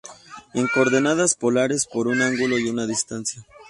En coordenadas polares, por un ángulo y una distancia.